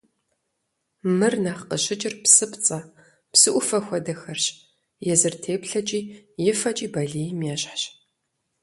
Мыр нэхъ къыщыкӏыр псыпцӏэ, псы ӏуфэ хуэдэхэрщ, езыр и теплъэкӏи и фэкӏи балийм ещхьщ.